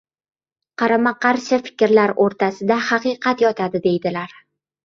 Qarama-qarshi fikrlar o‘rtasida haqiqat yotadi deydilar.